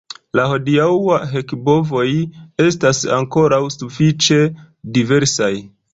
La hodiaŭaj hek-bovoj estas ankoraŭ sufiĉe diversaj.